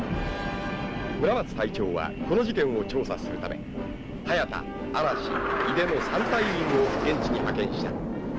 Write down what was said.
ムラマツ隊長はこの事件を調査するためハヤタアラシイデの３隊員を現地に派遣した。